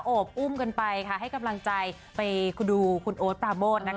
บอุ้มกันไปค่ะให้กำลังใจไปดูคุณโอ๊ตปราโมทนะคะ